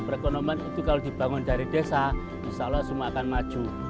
perekonomian itu kalau dibangun dari desa insya allah semua akan maju